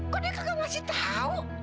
kok dia kagak ngasih tau